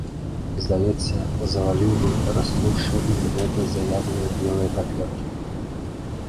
Здаецца, заваліў бы, раструшчыў імі гэтыя заядлыя белыя паперкі.